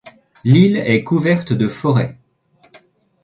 L'île est couverte de forêts.